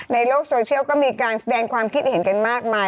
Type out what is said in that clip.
ในโลกโซเชียลก็มีการแสดงความคิดเห็นกันมากมาย